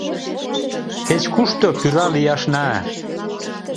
Кеч-кушто пӱра лияшна